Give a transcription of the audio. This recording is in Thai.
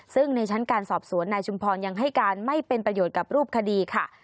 ซึ่งในชั้นการสอบสวนนายชุมพรยังให้การไม่เป็นประโยชน์กับรูปคดีค่ะ